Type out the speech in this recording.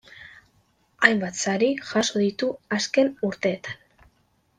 Hainbat sari jaso ditu azken urteetan.